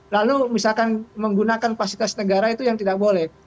lalu misalkan menggunakan fasilitas negara itu yang tidak boleh